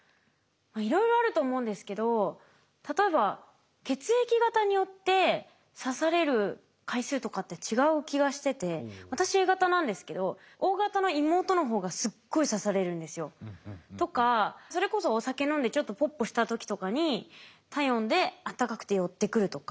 いろいろあると思うんですけど例えば血液型によって刺される回数とかって違う気がしてて私Ａ型なんですけどＯ型の妹の方がすっごい刺されるんですよ。とかそれこそお酒飲んでちょっとポッポした時とかに体温であったかくて寄ってくるとか。